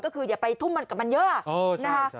ก็คืออย่าไปทุ่มมันกับมันเยอะนะคะ